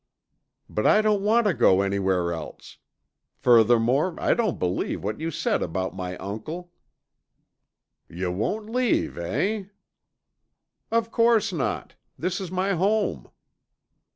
"But I don't want to go anywhere else. Furthermore, I don't believe what you said about my uncle." "Yuh won't leave, eh?" "Of course not! This is my home!"